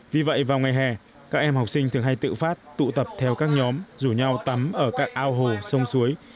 vì vậy vào ngày hè các em học sinh thường hay tự phát tụ tập theo các nhóm rủ nhau tắm ở các ao hồ sông suối